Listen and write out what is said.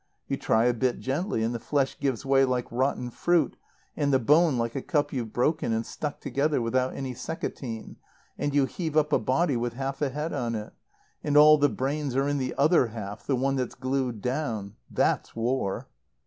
You try a bit, gently, and the flesh gives way like rotten fruit, and the bone like a cup you've broken and stuck together without any seccotine, and you heave up a body with half a head on it. And all the brains are in the other half, the one that's glued down. That's war.